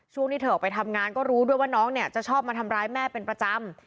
ที่เธอออกไปทำงานก็รู้ด้วยว่าน้องเนี่ยจะชอบมาทำร้ายแม่เป็นประจำ